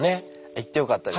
行ってよかったです。